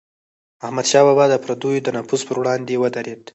احمدشاه بابا به د پردیو د نفوذ پر وړاندې ودرید.